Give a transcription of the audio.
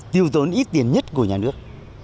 tiêu tốn ít tiền nhất của nhà nước